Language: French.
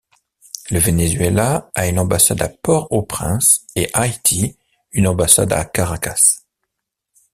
Le Venezuela a une ambassade à Port-au-Prince, et Haïti une ambassade à Caracas.